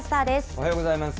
おはようございます。